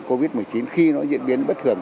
covid một mươi chín khi nó diễn biến bất thường